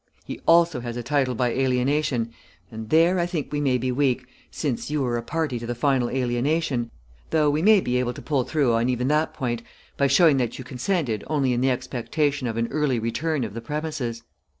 He also has a title by alienation, and there I think we may be weak since you were a party to the final alienation, though we may be able to pull through on even that point by showing that you consented only in the expectation of an early return of the premises.